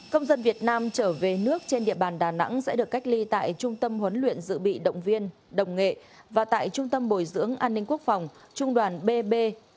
công dân việt nam trở về nước trên địa bàn đà nẵng sẽ được cách ly tại trung tâm huấn luyện dự bị động viên đồng nghệ và tại trung tâm bồi dưỡng an ninh quốc phòng trung đoàn bb chín trăm bảy mươi một